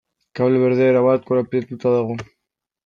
Kable berdea erabat korapilatuta dago.